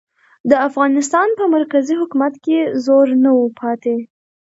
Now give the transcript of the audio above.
د افغانستان په مرکزي حکومت کې زور نه و پاتې.